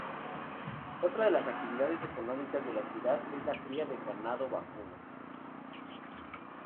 Otra de las actividades económicas de la ciudad es la cría de ganado vacuno.